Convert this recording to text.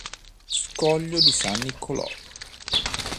Scoglio San Nicolò